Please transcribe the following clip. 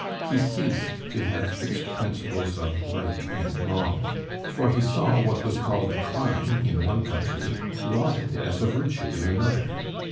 He ceased to have fixed principles of right and wrong, for he saw what was called a crime in one country lauded as a virtue in another.